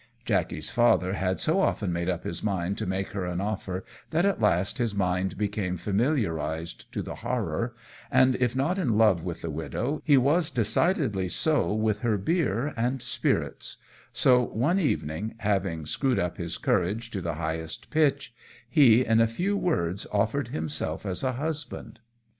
Jackey's father had so often made up his mind to make her an offer that at last his mind became familiarized to the horror, and if not in love with the widow, he was decidedly so with her beer and spirits; so one evening, having screwed up his courage to the highest pitch, he, in a few words, offered himself as a husband.